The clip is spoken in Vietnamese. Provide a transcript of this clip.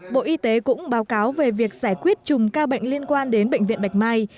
bộ y tế cũng báo cáo về việc giải quyết chùm ca bệnh liên quan đến bệnh viện bạch mai